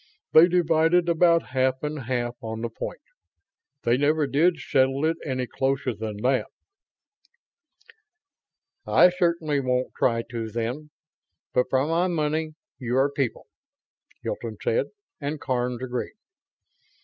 They divided about half and half on the point. They never did settle it any closer than that." "I certainly won't try to, then. But for my money, you are people," Hilton said, and Karns agreed.